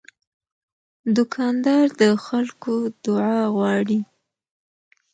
دوکاندار د خلکو دعا غواړي.